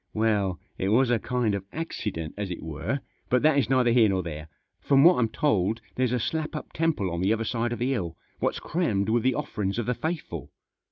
" Well, it was a kind of accident, as it were ; but that is neither here nor there. From what I'm told there's a slap up temple on the other side of the hill, what's crammed with the offerings of the faithful.